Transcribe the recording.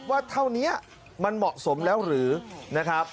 เท่านี้มันเหมาะสมแล้วหรือนะครับ